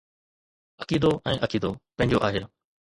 عقيدو ۽ عقيدو پنهنجو آهي.